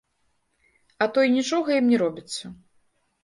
А то і нічога ім не робіцца.